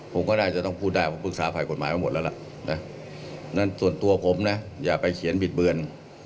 ผมก็น่าจะต้องพูดได้ผมปรึกษาฝ่ายกฎหมายมาหมดแล้วล่ะนะนั่นส่วนตัวผมนะอย่าไปเขียนบิดเบือน